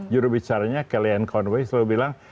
juru bicaranya kellyanne conway selalu bilang